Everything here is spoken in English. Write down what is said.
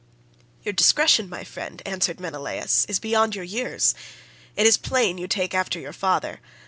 "Your discretion, my friend," answered Menelaus, "is beyond your years. It is plain you take after your father.